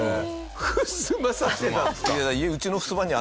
ふすま刺してたんですか！